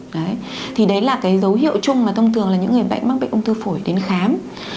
đấy thì đấy là cái dấu hiệu chung mà thông thường là những người bệnh mắc bệnh ung thư phổi đến khám